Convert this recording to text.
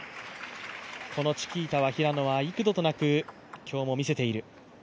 このチキータは平野は幾度となく今日も見せている。